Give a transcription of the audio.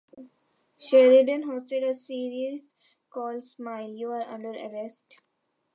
Sheridan hosted a series called Smile...You're Under Arrest!